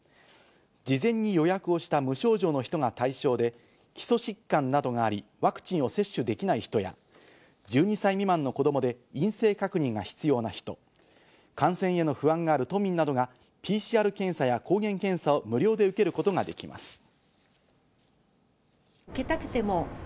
事前に予約をした無症状の人が対象で、基礎疾患などがあり、ワクチンを接種できない人や、１２歳未満の子供で陰性確認が必要な人、感染への不安がある都民などがＰＣＲ検査や抗原検査を無料で受けることができます。